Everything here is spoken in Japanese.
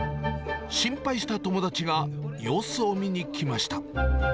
心配した友達が、様子を見に来ました。